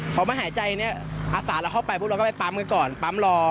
พอมาหายใจเนี่ยอาสาเราเข้าไปปุ๊บเราก็ไปปั๊มกันก่อนปั๊มรอ